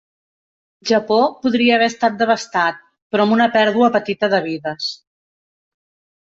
Japó podria haver estat devastat, però amb una pèrdua petita de vides.